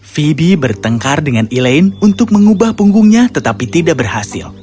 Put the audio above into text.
phobi bertengkar dengan elaine untuk mengubah punggungnya tetapi tidak berhasil